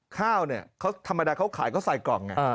ข้าวเนี่ยเขาธรรมดาเขาขายเขาใส่กล่องไง